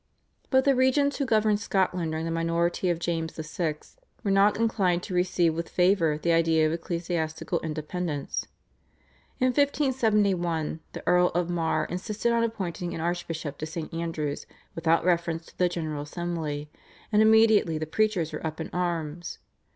But the regents who governed Scotland during the minority of James VI. were not inclined to receive with favour the idea of ecclesiastical independence. In 1571 the Earl of Mar insisted on appointing an archbishop to St. Andrew's without reference to the General Assembly, and immediately the preachers were up in arms.